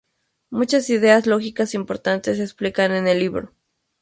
Muchas ideas lógicas importantes se explican en el libro.